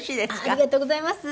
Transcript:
ありがとうございます。